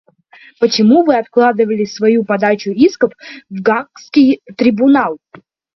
Почему вы откладывали свою подачу исков в Гаагский трибунал?